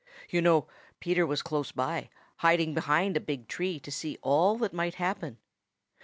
You know, Peter was close by, hiding behind a big tree to see all that might happen.